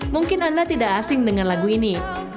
mungkin anda tidak asing dengan lagu ini